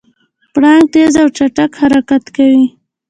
پړانګ تېز او چټک حرکت کوي.